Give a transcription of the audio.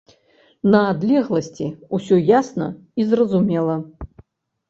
На адлегласці ўсё ясна і зразумела.